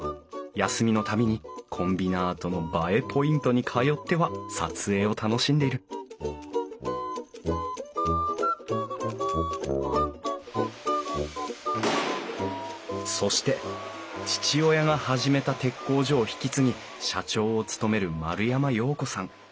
休みの度にコンビナートの映えポイントに通っては撮影を楽しんでいるそして父親が始めた鉄工所を引き継ぎ社長を務める丸山洋子さん。